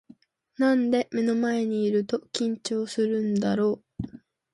なんで目の前にいると緊張するんだろう